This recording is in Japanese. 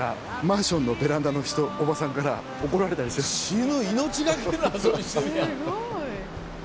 死ぬ命懸けの遊びしてるやん。